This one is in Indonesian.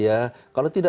kita perlu tegas